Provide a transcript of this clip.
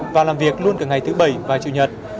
và làm việc luôn cả ngày thứ bảy và chủ nhật